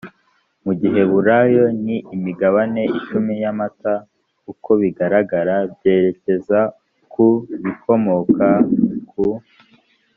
mu giheburayo ni imigabane icumi y amata uko bigaragara byerekeza ku bikomoka ku